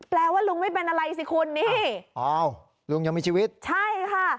แปลว่าลุงไม่เป็นอะไรสิคุณนี่อ้าวลุงยังมีชีวิตใช่ค่ะ